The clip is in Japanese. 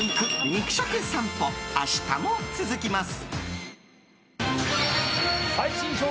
肉食さんぽ、明日も続きます。